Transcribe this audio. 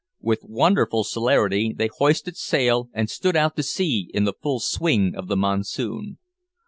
With wonderful celerity they hoisted sail and stood out to sea in the full swing of the monsoon.